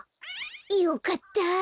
よかった。